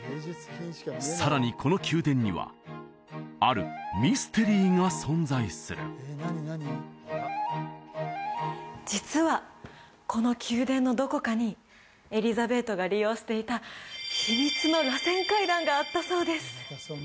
さらにこの宮殿にはあるミステリーが存在する実はこの宮殿のどこかにエリザベートが利用していた秘密の螺旋階段があったそうです